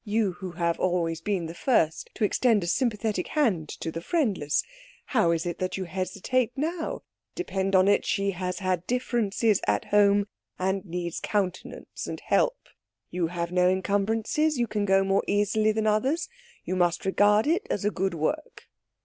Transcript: You who have always been the first to extend a sympathetic hand to the friendless, how is it that you hesitate now? Depend upon it, she has had differences at home and needs countenance and help. You have no encumbrances. You can go more easily than others. You must regard it as a good work.'